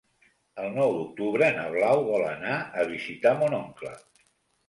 El nou d'octubre na Blau vol anar a visitar mon oncle.